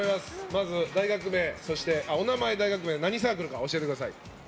まずお名前、大学名サークル名を教えてください。